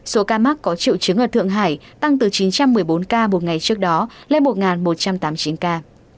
số ca mắc có triệu chứng ở thượng hải tăng từ chín trăm một mươi bốn ca một ngày trước đó lên một một trăm tám mươi chín ca